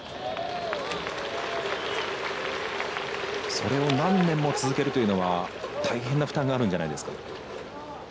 それを何年も続けるというのは大変な負担があるんじゃないですか。